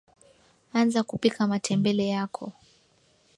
anza kupika matembele yako